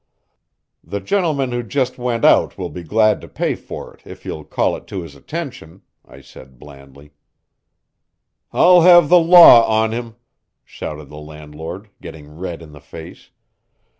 "The gentleman who just went out will be glad to pay for it, if you'll call it to his attention," I said blandly. "I'll have the law on him!" shouted the landlord, getting red in the face.